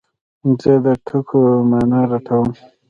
زه د ټکو مانا لټوم.